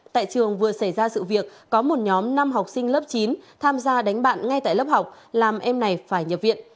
tại trường vừa xảy ra sự việc có một nhóm năm học sinh lớp chín tham gia đánh bạn ngay tại lớp học làm em này phải nhập viện